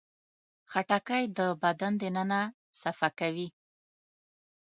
خټکی د بدن دننه صفا کوي.